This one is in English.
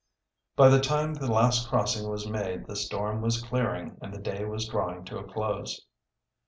By the time the last crossing was made the storm was clearing and the day was drawing to a close.